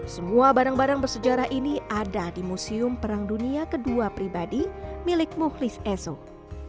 semua barang barang bersejarah ini ada di museum perang dunia kedua pribadi milik muhlis esok